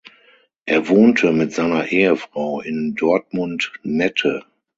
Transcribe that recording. Er wohnte mit seiner Ehefrau in Dortmund-Nette.